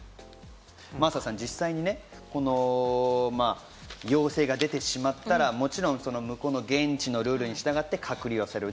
真麻さん、実際に陽性が出てしまったら、もちろん向こうの現地のルールに従って隔離される。